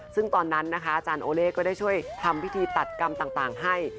ซึ่งตอนนั้นนะคะอาจารย์โอเล่ก็ได้ช่วยทำพิธีตัดกรรมต่างให้